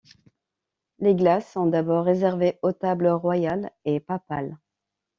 Les glaces sont d'abord réservées aux tables royales et papales.